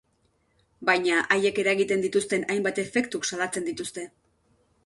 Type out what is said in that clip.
Baina haiek eragiten dituzten hainbat efektuk salatzen dituzte.